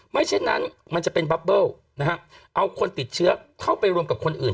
เช่นนั้นมันจะเป็นบับเบิ้ลเอาคนติดเชื้อเข้าไปรวมกับคนอื่น